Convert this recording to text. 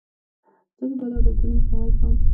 زه د بدو عادتو مخنیوی کوم.